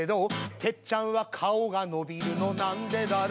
「テッちゃんは顔が伸びるのなんでだろう」